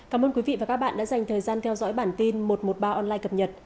cảm ơn quý vị và các bạn đã dành thời gian theo dõi bản tin một trăm một mươi ba online cập nhật